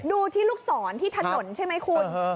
ดูที่ลูกศรที่ถนนใช่ไหมคุณ